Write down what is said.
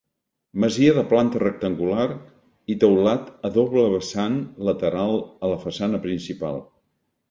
Masia de planta rectangular i teulat a doble vessant lateral a la façana principal.